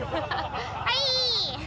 はい。